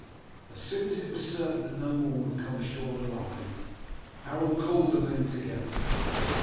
As soon as it was certain that no more would come ashore alive Harold called the men together.